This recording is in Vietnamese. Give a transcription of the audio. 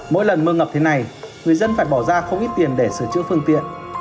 mỗi lần mưa ngập thế này người dân phải bỏ ra không ít tiền để sửa chữa phương tiện